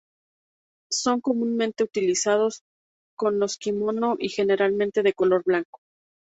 Son comúnmente utilizados con los kimono y generalmente de color blanco.